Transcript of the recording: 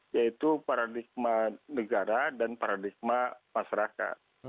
yaitu paradigma negara dan paradigma masyarakat